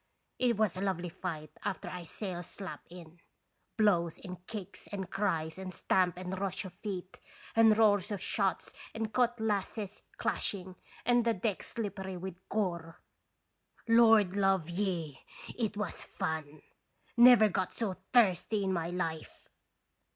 It was a lovely fight after I sails slap in. Blows and kicks and cries and stamp and rush of feet, and roar of shots and cutlasses clashing, and the deck slippery with gore ! Lord love ye ! it was fun ! Never got so thirsty in my life